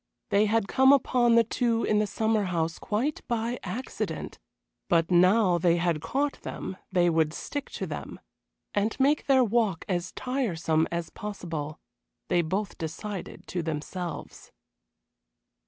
They had come upon the two in the summer house quite by accident, but now they had caught them they would stick to them, and make their walk as tiresome as possible, they both decided to themselves.